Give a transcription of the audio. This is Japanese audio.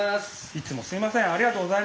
いつもすみません。